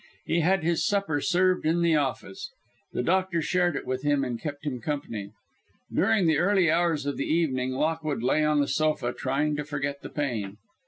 He had his supper served in the office. The doctor shared it with him and kept him company. During the early hours of the evening Lockwood lay on the sofa trying to forget the pain.